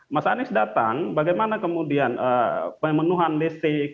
mas anies datang bagaimana kemudian pemenuhan listrik